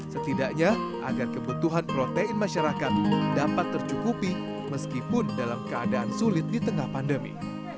setidaknya agar kebutuhan protein masyarakat dapat tercukupi meskipun dalam keadaan sulit di tengah pandemi